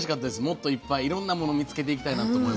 もっといっぱいいろんなもの見つけていきたいなと思いました。